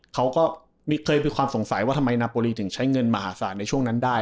เขาก็เคยมีความสงสัยว่าทำไมนาโปรีถึงใช้เงินมหาศาลในช่วงนั้นได้